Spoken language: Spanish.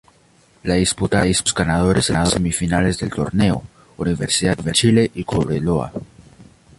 La disputaron los ganadores de las semifinales del torneo: Universidad de Chile y Cobreloa.